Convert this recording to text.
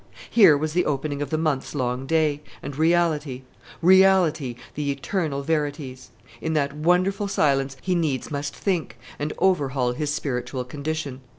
Here was the opening of the months long day; and reality Reality, the Eternal Verities. In that wonderful silence he needs must think, and overhaul his spiritual condition.